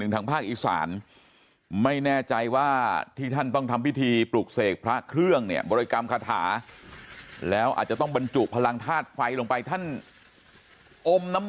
แต่ท่านใส่เสื้อกันหนาวแล้วก็ใส่แว่นดำ